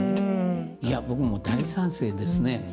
いや僕も大賛成ですね。